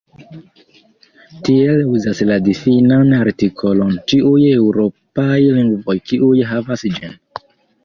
Tiel uzas la difinan artikolon ĉiuj eŭropaj lingvoj kiuj havas ĝin.